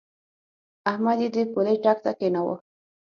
احمد يې د پولۍ ټک ته کېناوو.